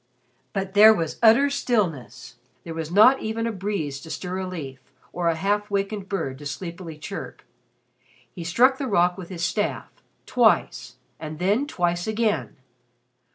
But there was utter stillness. There was not even a breeze to stir a leaf, or a half wakened bird to sleepily chirp. He struck the rock with his staff twice, and then twice again.